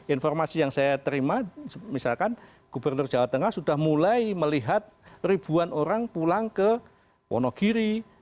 informasi yang saya terima misalkan gubernur jawa tengah sudah mulai melihat ribuan orang pulang ke wonogiri